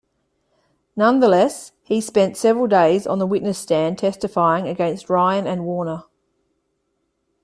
Nonetheless, he spent several days on the witness stand testifying against Ryan and Warner.